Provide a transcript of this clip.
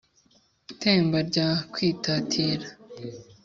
i temba rya kwitatira